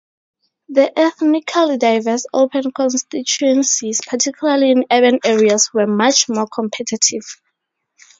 The ethnically diverse open constituencies, particularly in urban areas, were much more competitive.